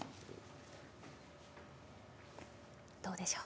どうでしょう？